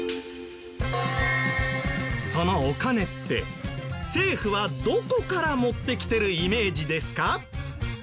そのお金って政府はどこから持ってきてるイメージですか？